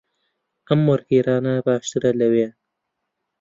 ئەم وەرگێڕانە باشترە لەوەیان.